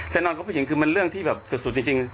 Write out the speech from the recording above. นอนของผู้หญิงคือมันเรื่องที่แบบสุดจริง